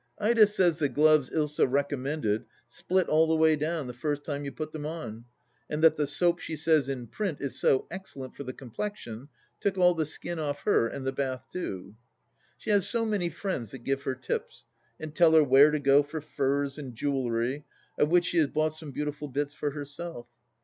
Ida says the gloves Dsa recommended split all the way down the first time you put them on, and that the soap she says in print is so excel lent for the complexion took all the skin off her and the bath too. She has so many friends that give her tips, and tell her where to go for furs and jewellery, of which she has bought some beautiful bits for herself.